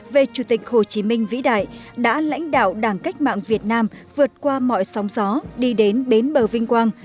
về chủ tịch hồ chí minh vĩ đại đã lãnh đạo đảng cách mạng việt nam vượt qua mọi sóng gió đi đến bến bờ vinh quang